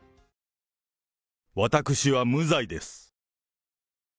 私は無罪です。